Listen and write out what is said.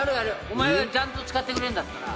「お前がちゃんと使ってくれるんだったら」